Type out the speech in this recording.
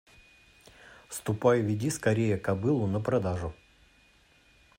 Ступай веди скорее кобылу на продажу.